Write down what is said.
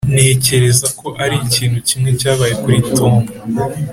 ntekereza ko arikintu kimwe cyabaye kuri tom.